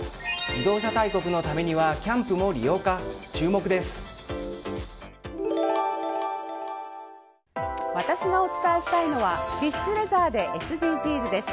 自動車大国のためには私がお伝えしたいのはフィッシュレザーでＳＤＧｓです。